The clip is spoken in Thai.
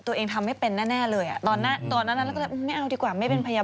ตัวเองทำไมเป็นแน่เลยค่ะไม่เอาเป็นเอง